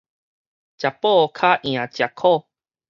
食補較贏食苦